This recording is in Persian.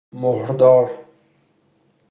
مﮩردار